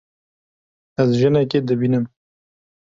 Ez jinekê dibînim.